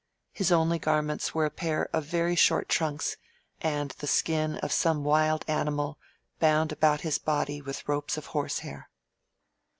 His only garments were a pair of very short trunks and the skin of some wild animal, bound about his body with ropes of horse hair.